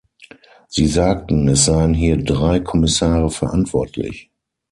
Sie sagten, es seien hier drei Kommissare verantwortlich.